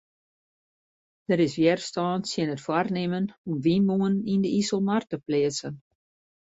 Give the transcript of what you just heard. Der is wjerstân tsjin it foarnimmen om wynmûnen yn de Iselmar te pleatsen.